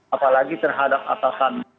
apalagi terhadap atasan